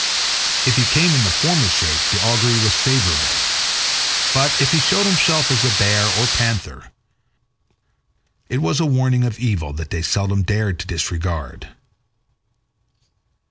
If he came in the former shape the augury was favorable, but if he showed himself as a bear or panther, it was a warning of evil that they seldom dared to disregard.